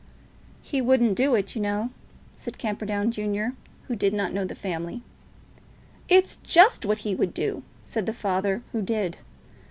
"He wouldn't do it, you know," said Camperdown Junior, who did not know the family. "It's just what he would do," said the father, who did.